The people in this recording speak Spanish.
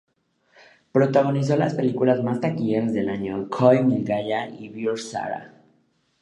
Protagonizó las películas más taquilleras del año: "Koi... Mil Gaya", y "Veer-Zaara".